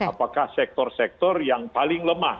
apakah sektor sektor yang paling lemah